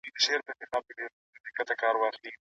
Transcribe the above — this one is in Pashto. تنوع د روغتیا لپاره مهمه ده.